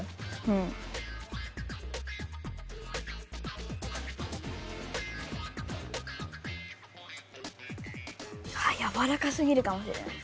うん。あっやわらかすぎるかもしれない。